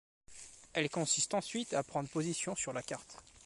Elle consiste ensuite à prendre position sur la carte.